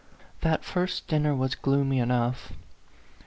That first dinner was gloomy enough.